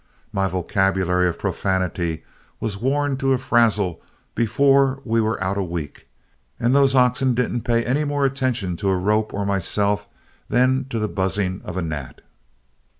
My vocabulary of profanity was worn to a frazzle before we were out a week, and those oxen didn't pay any more attention to a rope or myself than to the buzzing of a gnat.